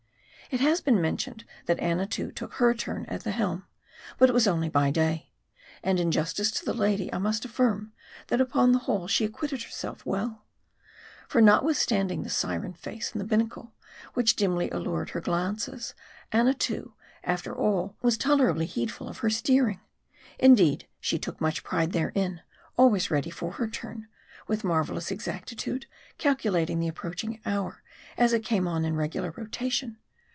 It has been mentioned, that Annatoo took her turn at the helm ; but it was only by day. And in justice to the lady, I must affirm, that upon the whole she acquitted her self well. For notwithstanding the syren face in the bin nacle, which dimly allured her glances, Annatoo after all was tolerably heedful of her steering. Indeed she took much pride therein ; always ready for her turn ; with mar velous exactitude calculating the approaching hour, as it came on in regular rotation.